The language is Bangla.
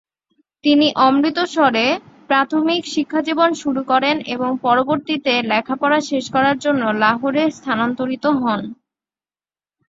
তিনি অমৃতসরে প্রাথমিক শিক্ষাজীবন শুরু করেন এবং পরবর্তীতে লেখাপড়া শেষ করার জন্য লাহোরে স্থানান্তরিত হন।